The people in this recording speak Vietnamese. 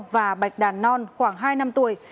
và bạch đàn non khoảng hai năm tuổi